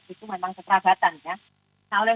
itu memang keperabatan nah oleh